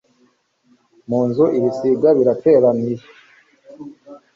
munzu ibisiga biratera niye